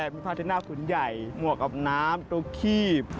มีพาสเทคหน้าฝุ่นใหญ่หมวกกับน้ำตัวขีบ